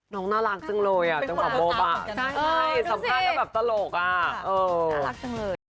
น้องน่ารักจังเลยอ่ะจังหวับโบ๊คอ่ะใช่สำคัญก็แบบตลกอ่ะน่ารักจังเลย